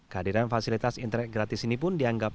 kehadiran fasilitas internet gratis ini pun dianggap